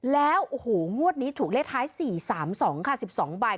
แล้วงวดนี้ถูกเลขท้าย๔๓๒ค่ะ๑๒บาท